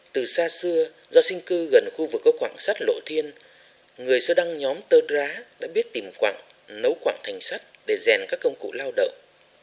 từ xa xưa do sinh cư gần khu vực có quảng sắt lộ thiên người sơ đăng nhóm tơ đrá đã biết tìm quảng nấu quảng thành sắt để rèn các công cụ lao động